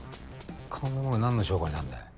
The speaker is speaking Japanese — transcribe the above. こんなもんがなんの証拠になんだよ。